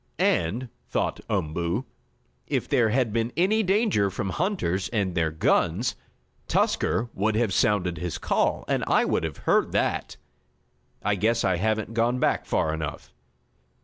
"And," thought Umboo, "if there had been any danger from hunters and their guns, Tusker would have sounded his call, and I would have heard that. I guess I haven't gone back far enough."